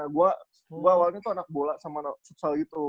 gue awalnya tuh anak bola sama subsah gitu